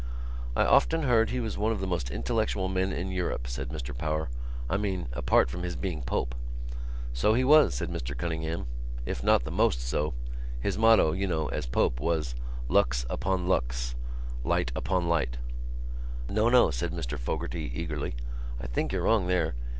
"I often heard he was one of the most intellectual men in Europe," said Mr Power. "I mean, apart from his being Pope." "So he was," said Mr Cunningham, "if not the most so. His motto, you know, as Pope, was Lux upon Lux—Light upon Light." "No, no," said Mr Fogarty eagerly. "I think you're wrong there.